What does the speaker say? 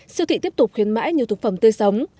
siêu thị tiếp tục khuyến mãi nhiều thực phẩm tươi sống